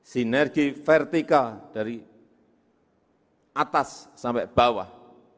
sinergi vertikal dari atas sampai bawah